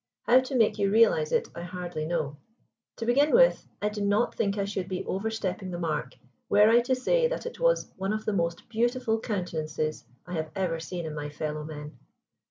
How to make you realize it I hardly know. To begin with, I do not think I should be overstepping the mark were I to say that it was one of the most beautiful countenances I have ever seen in my fellow men.